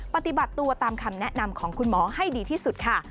ปฏิบัติตัวตามคำแนะนำของคุณหมอให้ดีที่สุดค่ะ